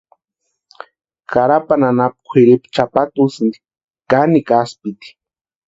Carapani anapu kwʼiripu chʼapata úsïnti kanikwa aspiti.